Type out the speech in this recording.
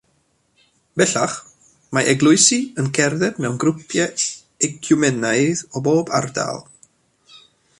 Bellach mae eglwysi yn cerdded mewn grwpiau eciwmenaidd o bob ardal.